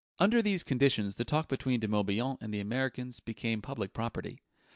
Under these conditions the talk between De Morbihan and the Americans became public property.